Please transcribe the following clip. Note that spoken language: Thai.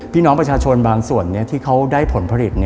พี่น้องประชาชนบางส่วนที่เขาได้ผลผลิต